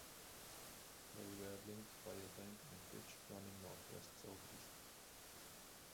They were linked by a bank and ditch running northwest-southeast.